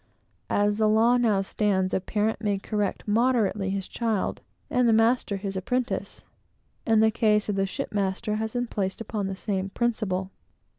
As the law now stands, a parent may correct moderately his child, and the master his apprentice; and the case of the shipmaster has been placed upon the same principle.